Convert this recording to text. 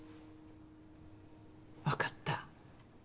わかった。